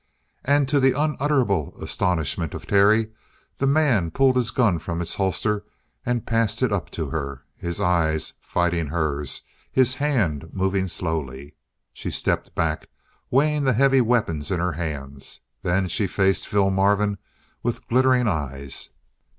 And to the unutterable astonishment of Terry, the man pulled his gun from its holster and passed it up to her, his eyes fighting hers, his hand moving slowly. She stepped back, weighing the heavy weapons in her hands. Then she faced Phil Marvin with glittering eyes.